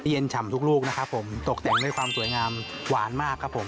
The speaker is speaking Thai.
เย็นฉ่ำทุกลูกนะครับผมตกแต่งด้วยความสวยงามหวานมากครับผม